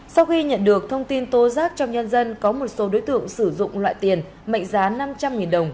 sau khi nhận được thông tin tố giác trong nhân dân có một số đối tượng sử dụng loại tiền mệnh giá năm trăm linh đồng